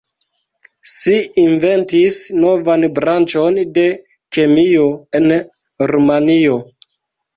Si inventis novan branĉon de kemio en Rumanio.